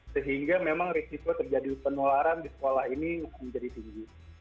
sehingga memang risiko terjadi penularan di sekolah ini menjadi tinggi